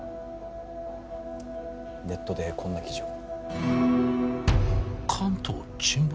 ネットでこんな記事を関東沈没？